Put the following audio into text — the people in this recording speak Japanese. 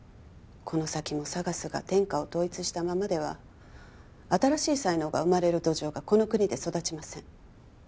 この先もＳＡＧＡＳが天下を統一したままでは新しい才能が生まれる土壌がこの国で育ちません